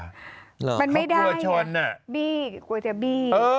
มันไม่ได้น่ะบี้กว่าจะบี้เออเขากลัวจะชน